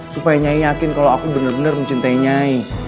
supaya nyanyi yakin kalau aku benar benar mencintai nyai